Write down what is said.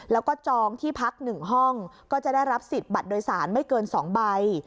แล้วก็จองที่พัก๑ห้องก็จะได้รับสิทธิ์บัตรโดยสารไม่เกิน๒ใบ